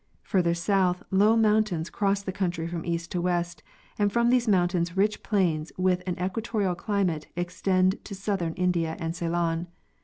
. Further southward low mountains cross the country from east to west, and from these mountains rich plains with an equatorial climate extend to southern India and Ceylon.